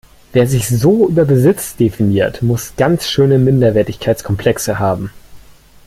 Wer sich so über Besitz definiert, muss ganz schöne Minderwertigkeitskomplexe haben.